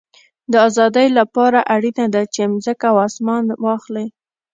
د آزادۍ له پاره اړینه ده، چي مځکه او اسمان واخلې.